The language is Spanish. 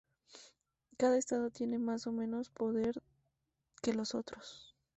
Cada estado tiene más o menos poder que los otros.